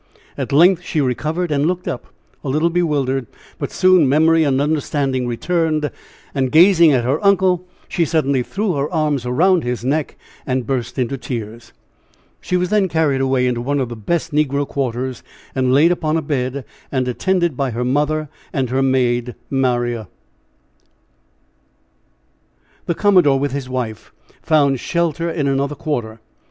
At length she recovered and looked up, a little bewildered, but soon memory and understanding returned and, gazing at her uncle, she suddenly threw her arms around his neck and burst into tears. She was then carried away into one of the best negro quarters and laid upon a bed, and attended by her mother and her maid Maria. The commodore, with his wife, found shelter in another quarter.